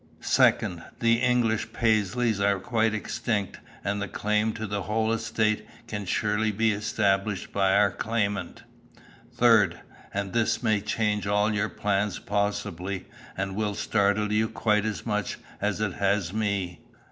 "2nd. The English Paisleys are quite extinct, and the claim to the whole estate can surely be established by our claimant. "3rd. And this may change all your plans possibly, and will startle you quite as much as it has me.